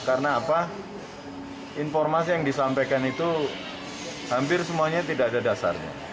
karena apa informasi yang disampaikan itu hampir semuanya tidak ada dasarnya